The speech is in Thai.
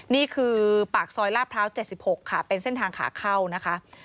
นี่คือปากซอยลาดพร้าว๗๖ค่ะเป็นเส้นทางขาเข้านะคะ